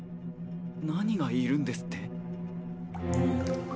何がいるんですって？